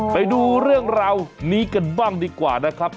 ไปดูเรื่องราวนี้กันบ้างดีกว่านะครับ